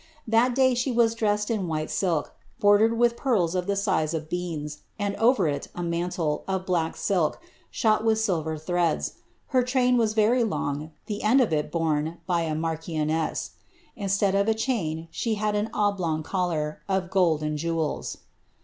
That day she was dressed in white silk, bordered with pearls of the size of beans, and over it a mantle, of black silk, shot with silver threads ; her train was very long, the end of it borne by a marchioness. Instead of a chain, she had an oblong collar, of gold and jewels.